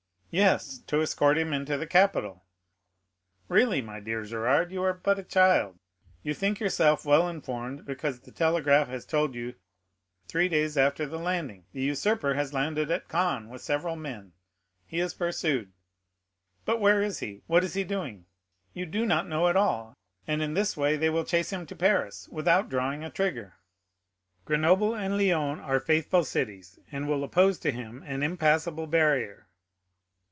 "Yes, to escort him into the capital. Really, my dear Gérard, you are but a child; you think yourself well informed because the telegraph has told you, three days after the landing, 'The usurper has landed at Cannes with several men. He is pursued.' But where is he? what is he doing? You do not know at all, and in this way they will chase him to Paris, without drawing a trigger." "Grenoble and Lyons are faithful cities, and will oppose to him an impassable barrier."